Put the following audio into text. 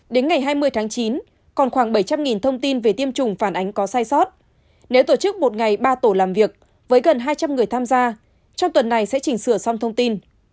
đến ngày hai mươi tháng chín còn khoảng bảy trăm linh thông tin về tiêm chủng phản ánh có sai sót nếu tổ chức một ngày ba tổ làm việc với gần hai trăm linh người tham gia trong tuần này sẽ chỉnh sửa xong thông tin